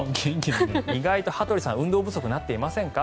意外と羽鳥さん運動不足になっていませんか？